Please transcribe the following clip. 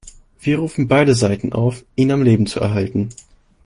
Wir rufen beide Seiten auf, ihn am Leben zu erhalten.